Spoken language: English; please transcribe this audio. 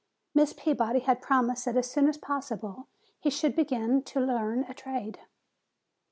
Miss Peabody had promised that as soon as possible he should begin to learn a trade.